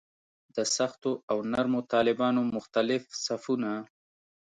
د سختو او نرمو طالبانو مختلف صفونه.